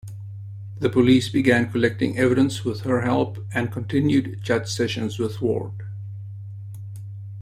The police began collecting evidence with her help and continued chat sessions with Ward.